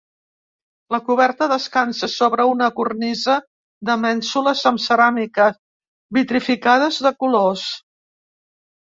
La coberta descansa sobre una cornisa de mènsules amb ceràmica vitrificades de colors.